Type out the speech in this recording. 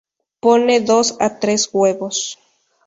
Pone dos a tres huevos.